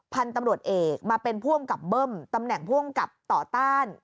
พันธุ์ตำรวจเอกมาเป็นผู้อำกับเบิ้มตำแหน่งผู้อำกับต่อต้าน